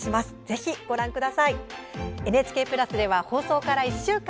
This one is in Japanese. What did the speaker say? ぜひご覧ください。